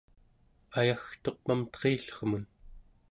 ayagtuq Mamterillermun